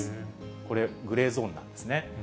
これ、グレーゾーンなんですね。